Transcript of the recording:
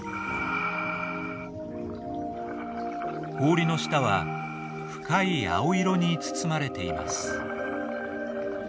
氷の下は深い青色に包まれています。